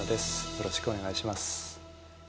よろしくお願いします。